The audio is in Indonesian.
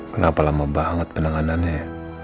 kenapa lama banget penanganannya